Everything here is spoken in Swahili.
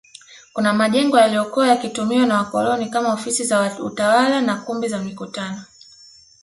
Kuna majengo yaliyokuwa yakitumiwa na wakoloni kama ofisi za utawala na kumbi za mikutano